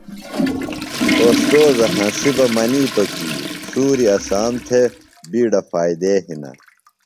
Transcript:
اوستوذہ ہنسیۡ بہ منِیتوۡ کی سُوریۡ اسام تھےۡ بِیڈہ فائدے ہِنہ۔